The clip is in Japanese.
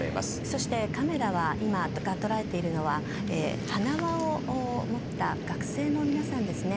そしてカメラが今捉えているのは花輪を持った学生の皆さんですね。